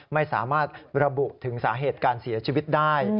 ไม่สามารถระบุถึงสาเหตุการเสียชีวิตได้